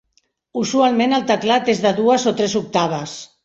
Usualment el teclat és de dues o tres octaves.